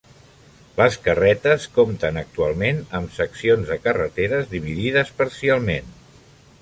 Les carretes compten actualment amb seccions de carreteres dividides parcialment.